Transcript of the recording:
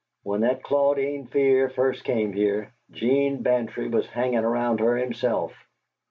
When that Claudine Fear first came here, 'Gene Bantry was hangin' around her himself.